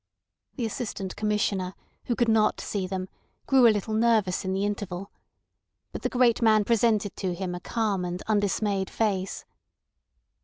The Assistant Commissioner, who could not see them, grew a little nervous in the interval. But the great man presented to him a calm and undismayed face.